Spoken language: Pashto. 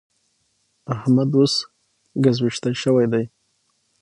احمد اوس ګږوېښتی شوی دی.